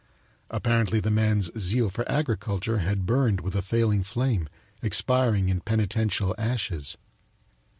Apparently the man's zeal for agriculture had burned with a failing flame, expiring in penitential ashes.